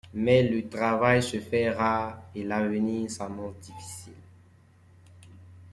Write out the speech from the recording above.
Mais le travail se fait rare et l'avenir s'annonce difficile.